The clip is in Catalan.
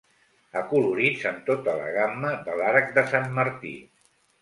Acolorits amb tota la gamma de l'arc de sant Martí.